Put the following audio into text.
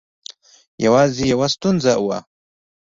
یوازې یوه ستونزه وه.